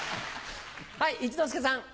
はい一之輔さん。